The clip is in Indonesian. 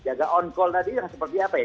jaga on call tadi yang seperti apa ya